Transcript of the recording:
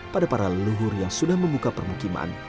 pada para leluhur yang sudah membuka permukiman